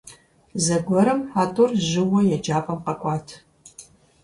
Зэгуэрым а тӏур жьыуэ еджапӏэм къэкӏуат.